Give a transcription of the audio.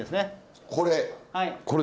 これ？